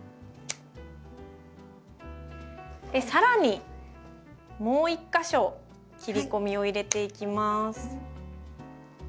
更にもう一か所切り込みを入れていきます。